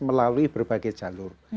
melalui berbagai jalur